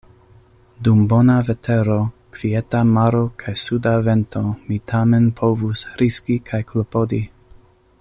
Dum bona vetero, kvieta maro kaj suda vento mi tamen povus riski kaj klopodi.